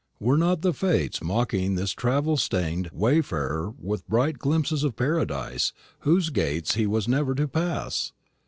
Were not the Fates mocking this travel stained wayfarer with bright glimpses of a paradise whose gates he was never to pass?